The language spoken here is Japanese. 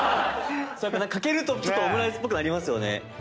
掛けるとちょっとオムライスっぽくなりますよね。